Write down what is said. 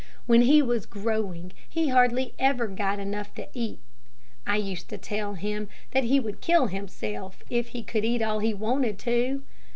When he was growing, he hardly ever got enough to eat. I used to tell him that he would kill himself if he could eat all he wanted to.